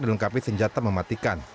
dilengkapi senjata mematikan